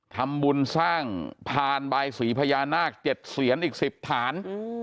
ทำบุญสร้างพานบายสีพญานาค๗เสียนอีก๑๐ฐาน